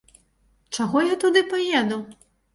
Чаго я туды паеду?